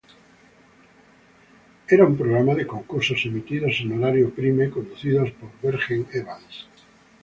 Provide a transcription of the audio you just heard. Era un programa de concursos emitido en "horario "prime"", conducido por Bergen Evans.